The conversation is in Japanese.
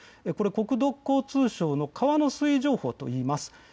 国土交通省の川の水位情報といいます。